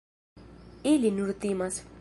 Ili nur timas.